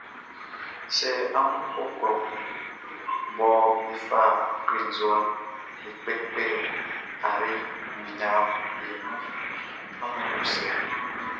Sɛ amun kɔ klɔ kun mɔ be fa klenzua be kpɛkpɛ ayre nɲaʼm be nunʼn, amun yo cɛ.